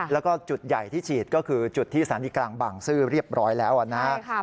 แล้วก็จุดใหญ่ที่ฉีดก็คือจุดที่สถานีกลางบางซื่อเรียบร้อยแล้วนะครับ